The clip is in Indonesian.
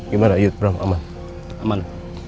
gimana yuk prof aman aman